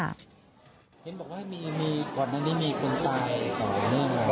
เห็นบอกว่ามีก่อนอันนี้มีคนตายต่อเนื่องมา